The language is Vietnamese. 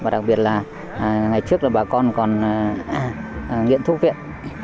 đặc biệt là ngày trước bà con còn nghiện thuốc viện